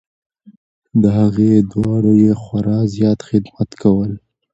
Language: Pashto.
د هغو دواړو یې خورا زیات خدمت کول .